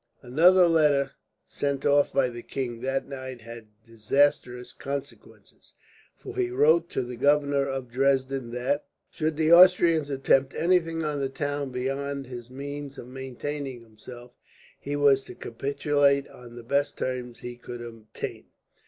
Another letter sent off by the king that night had disastrous consequences, for he wrote to the governor of Dresden that, should the Austrians attempt anything on the town beyond his means of maintaining himself, he was to capitulate on the best terms he could obtain.